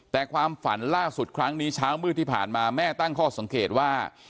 แต่ความฝันล่าสุดครั้งนี้เช้ามืดที่ผ่านมาแม่ตั้งข้อสังเกตว่า